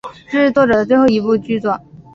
这是作者的最后一部剧作。